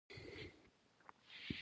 دا د ګوندونو موضوع نه ده.